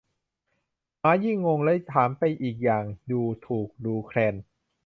หมายิ่งงงและถามไปอีกอย่างดูถูกดูแคลน